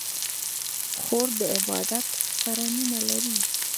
خور د عبادت سره مینه لري.